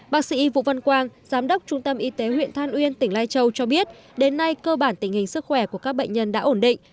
bác sĩ vũ văn quang giám đốc trung tâm y tế huyện than uyên tỉnh lai châu cho biết đến nay cơ bản tình hình sức khỏe của các bệnh nhân đã ổn định